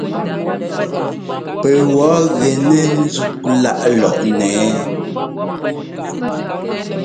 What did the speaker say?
Pɛwɔ̌ gɛnɛ́ ńzúk láꞌ lɔꞌnɛ ɛ́ɛ ?